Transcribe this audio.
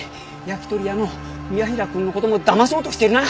焼き鳥屋の宮平くんの事もだまそうとしてるな？